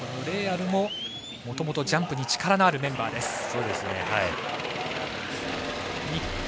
レーアルももともとジャンプに力のあるメンバーです。